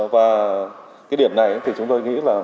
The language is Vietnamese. và cái điểm này thì chúng tôi nghĩ là